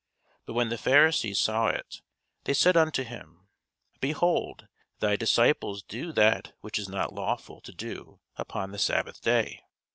But when the Pharisees saw it, they said unto him, Behold, thy disciples do that which is not lawful to do upon the sabbath day.